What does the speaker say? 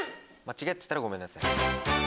間違ってたらごめんなさい。